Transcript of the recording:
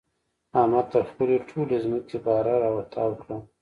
احمد تر خپلې ټولې ځمکې باره را تاو کړله.